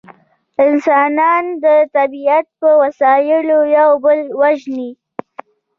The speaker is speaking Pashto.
انسانان د طبیعت په وسایلو یو بل وژني